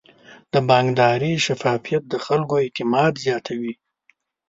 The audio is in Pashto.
د بانکداري شفافیت د خلکو اعتماد زیاتوي.